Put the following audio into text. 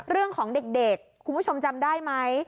เรื่องของเด็กคุณผู้ชมจำได้ไหม